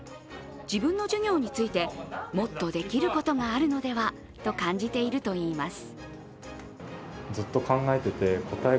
自分の授業について、もっとできることがあるのではと感じているといいます。